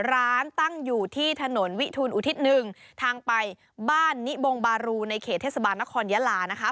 ร้านตั้งอยู่ที่ถนนวิทูลอุทิศ๑ทางไปบ้านนิบงบารูในเขตเทศบาลนครยะลานะคะ